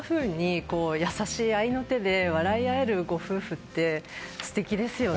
優しい合いの手で笑い合えるご夫婦って素敵ですよね。